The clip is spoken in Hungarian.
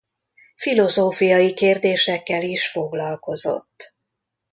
Filozófiai kérdésekkel is foglalkozott.